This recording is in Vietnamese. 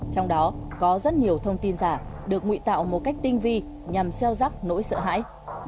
trong đó có rất nhiều thông tin giả được nguy tạo một cách tinh vi nhằm gieo rắc nỗi sợ hãi